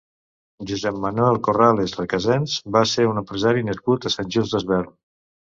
Josep-Manuel Corrales Recasens va ser un empresari nascut a Sant Just Desvern.